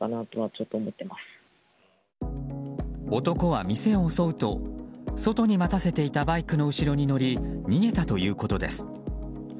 男は店を襲うと外に待たせていたバイクの後ろに乗り逃げたということです。